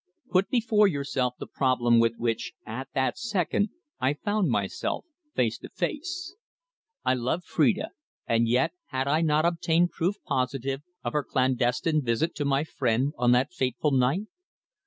Put before yourself the problem with which, at that second, I found myself face to face. I loved Phrida, and yet had I not obtained proof positive of her clandestine visit to my friend on that fateful night?